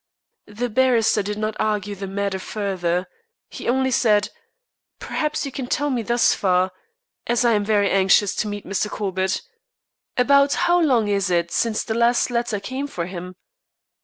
The barrister did not argue the matter further. He only said: "Perhaps you can tell me thus far, as I am very anxious to meet Mr. Corbett. About how long is it since the last letter came for him?"